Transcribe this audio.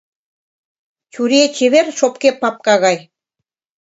Чуриет чевер шопке папка гай.